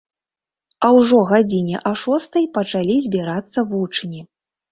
А ўжо гадзіне а шостай пачалі збірацца вучні.